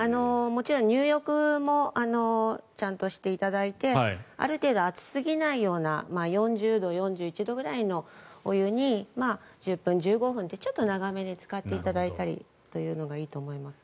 もちろん入浴もちゃんとしていただいてある程度、熱すぎないような４０度、４１度くらいのお湯に１０分、１５分と長めにつかっていただくのがいいと思います。